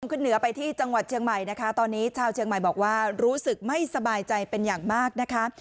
ขึ้นเหนือไปที่จังหวัดเชียงใหม่นะคะตอนนี้ชาวเชียงใหม่บอกว่ารู้สึกไม่สบายใจเป็นอย่างมากนะคะ